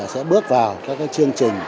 sẽ bước vào các chương trình